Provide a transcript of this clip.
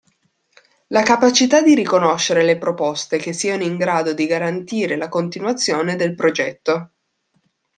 La capacità di riconoscere le proposte che siano in grado di garantire la continuazione del progetto.